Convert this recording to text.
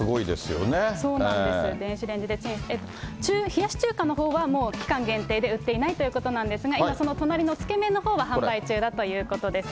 冷やし中華のほうは、もう期間限定で売っていないということなんですが、今、その隣のつけ麺のほうは販売中だということです。